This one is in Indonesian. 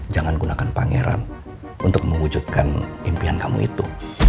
jangan gunakan pangeran untuk mewujudkan impian kamu itu